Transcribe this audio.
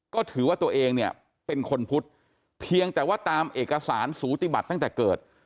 ก็ถือว่าตัวเองเนี่ยเป็นคนพุทธเพียงแต่ว่าตามเอกสารสูติบัติตั้งแต่เกิด